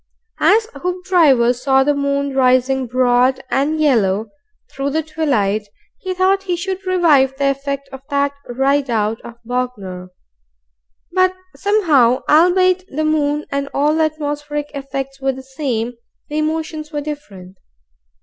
As Hoopdriver saw the moon rising broad and yellow through the twilight, he thought he should revive the effect of that ride out of Bognor; but somehow, albeit the moon and all the atmospheric effects were the same, the emotions were different.